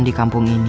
di kampung ini